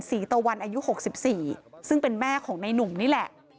ตะวันอายุ๖๔ซึ่งเป็นแม่ของในนุ่มนี่แหละ